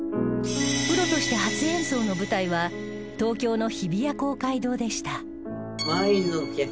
プロとして初演奏の舞台は東京の日比谷公会堂でした